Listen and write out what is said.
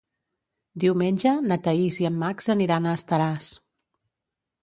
Diumenge na Thaís i en Max aniran a Estaràs.